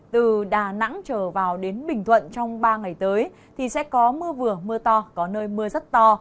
từ đà nẵng trở vào đến bình thuận trong ba ngày tới thì sẽ có mưa vừa mưa to có nơi mưa rất to